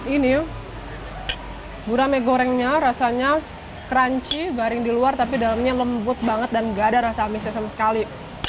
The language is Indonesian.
ini gurame gorengnya rasanya crunchy garing di luar tapi dalamnya lembut banget dan gak ada rasa amisnya sama sekali